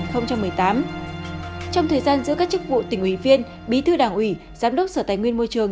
trong thời gian giữ các chức vụ tỉnh ủy viên bí thư đảng ủy giám đốc sở tài nguyên môi trường